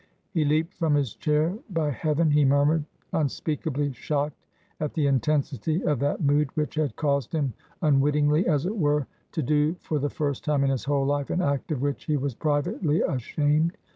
He leapt from his chair By heaven! he murmured, unspeakably shocked at the intensity of that mood which had caused him unwittingly as it were, to do for the first time in his whole life, an act of which he was privately ashamed.